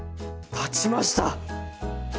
立ちました！